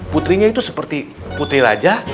putrinya itu seperti putri raja